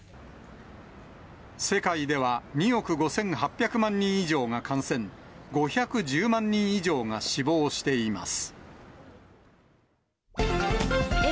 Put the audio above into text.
世界では、２億５８００万人以上が感染、５１０万人以上が死亡しています。